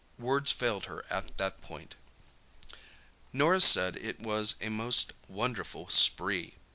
Words failed her at that point. Norah said that it was a most wonderful "spree."